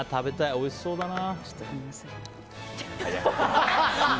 おいしそうだな。